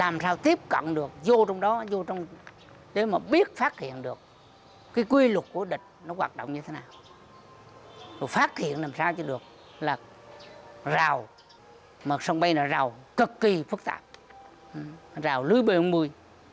một sân bay là rào cực kỳ phức tạp rào lưới bề mùi